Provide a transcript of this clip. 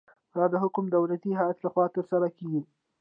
دا د حاکم دولتي هیئت لخوا ترسره کیږي.